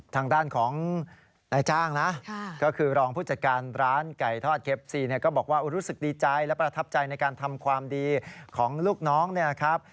ทางด้านของนายจ้างนะก็คือรองผู้จัดการร้านไก่ทอดเคฟซีเนี่ยก็บอกว่ารู้สึกดีใจและประทับใจในการทำความดีของลูกน้องเนี่ยนะครับ